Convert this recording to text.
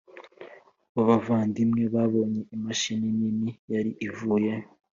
Wa Abavandimwe Babonye Imashini Nini Yari Ivuye